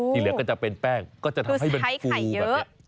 เหลือก็จะเป็นแป้งก็จะทำให้มันฟูแบบนี้